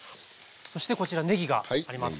そしてこちらねぎがあります。